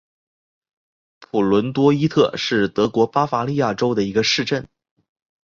普伦罗伊特是德国巴伐利亚州的一个市镇。